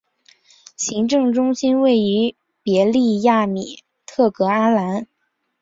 行政中心位于别利亚米特格阿兰。